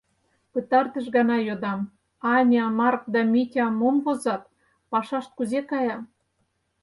Пытартыш гана йодам: Аня, Марк да Митя мом возат, пашашт кузе кая?